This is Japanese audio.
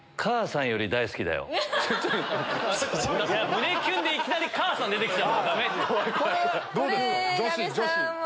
胸キュンでいきなり「母さん」出てきた。